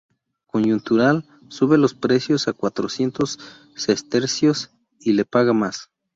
Coyuntural sube los precios a cuatrocientos sestercios y le paga más.